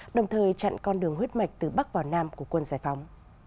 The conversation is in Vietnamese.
đồng thời chặn con đường huyết mạch từ bắc vào nam của quân giải phóng